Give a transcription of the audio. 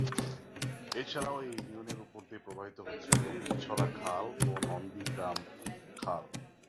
এছাড়াও এ ইউনিয়নের উপর দিয়ে প্রবাহিত হচ্ছে লক্ষ্মী ছড়া খাল ও নন্দী গ্রাম খাল।